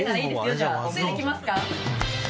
じゃあついてきますか？